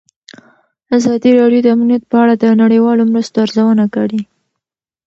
ازادي راډیو د امنیت په اړه د نړیوالو مرستو ارزونه کړې.